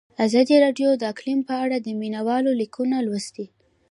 ازادي راډیو د اقلیم په اړه د مینه والو لیکونه لوستي.